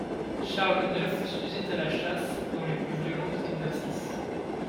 Charles neuf s'usait à la chasse dans les plus violents exercices.